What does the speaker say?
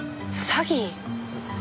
詐欺？